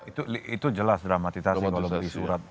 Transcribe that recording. itu jelas dramatisasi kalau diberi surat